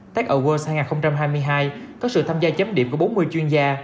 tech award hai nghìn hai mươi hai có sự tham gia chém điệp của bốn mươi chuyên gia